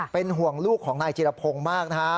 เป็นห่วงลูกของนายจิรพงศ์มากนะฮะ